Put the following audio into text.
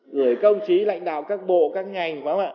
gửi công trí lãnh đạo các bộ các ngành